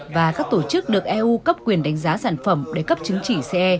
và các tổ chức được eu cấp quyền đánh giá sản phẩm để cấp chứng chỉ ce